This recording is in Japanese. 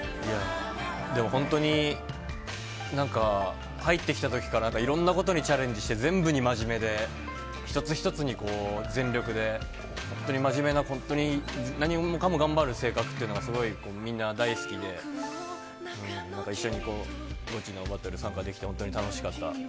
でも本当に、なんか入ってきたときからいろんなことにチャレンジして、全部に真面目で、一つ一つに全力で、本当に真面目な本当に、何もかも頑張る性格っていうのがすごいみんな大好きで、なんか一緒にゴチのバトル参加できて、本当に楽しかった。